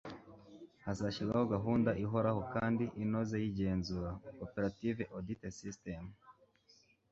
hazashyirwaho gahunda ihoraho kandi inoze y'igenzura ( cooperative audit system)